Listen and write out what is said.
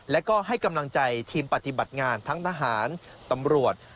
และก็ให้กำลังใจทีมปฏิบัติงานทั้งทหารตำรวจ